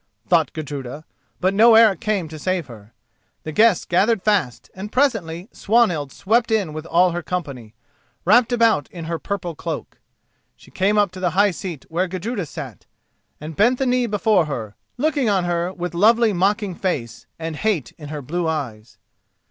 thought Gudruda; but no Eric came to save her. The guests gathered fast, and presently Swanhild swept in with all her company, wrapped about in her purple cloak. She came up to the high seat where Gudruda sat, and bent the knee before her, looking on her with lovely mocking face and hate in her blue eyes.